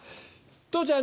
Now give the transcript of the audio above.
父ちゃん